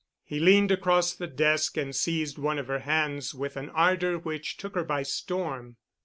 He leaned across the desk and seized one of her hands with an ardor which took her by storm.